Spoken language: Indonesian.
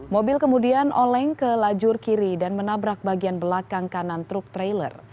mobil kemudian oleng ke lajur kiri dan menabrak bagian belakang kanan truk trailer